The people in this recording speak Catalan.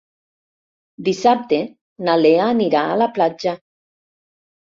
Dissabte na Lea anirà a la platja.